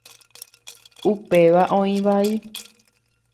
Upéva oĩ vai.